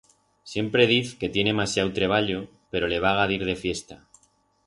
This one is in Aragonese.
Siempre diz que tiene masiau treballo pero le vaga d'ir de fiesta.